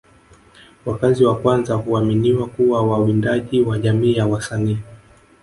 Wakazi wa kwanza huaminiwa kuwa wawindaji wa jamii ya Wasani